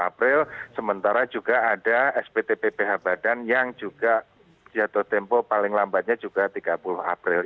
dua puluh april sementara juga ada spt pph badan yang juga jatuh tempo paling lambatnya juga tiga puluh april